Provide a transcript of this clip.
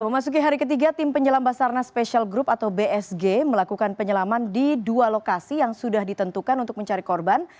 memasuki hari ketiga tim penyelam basarnas special group atau bsg melakukan penyelaman di dua lokasi yang sudah ditentukan untuk mencari korban